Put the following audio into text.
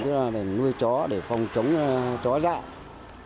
tức là nuôi chó để phòng chống chó dại